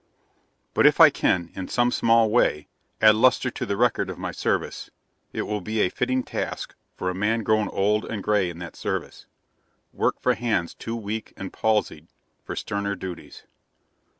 But if I can, in some small way, add luster to the record of my service, it will be a fitting task for a man grown old and gray in that service; work for hands too weak and palsied for sterner duties.